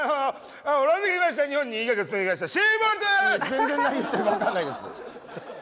全然何言ってるか分からないです。